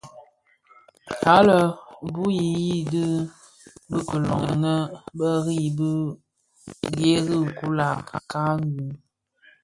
Àa le bu i yii di bi kilong inë bë ri bii ghêrii kula canji.